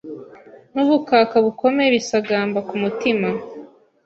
N'ubukaka bukomeye Bisagamba ku mutima